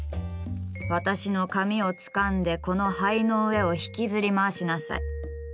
「私の髪をつかんでこの灰の上を引きずり回しなさい。